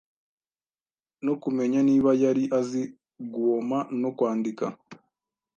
no kumenya niba yari azi guoma no kwandika